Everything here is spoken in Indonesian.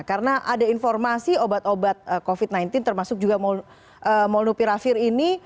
karena ada informasi obat obat covid sembilan belas termasuk juga molnupiravir ini